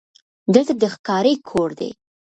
دلته د ښکاري کور دی: